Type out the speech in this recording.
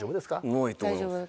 ないと思います。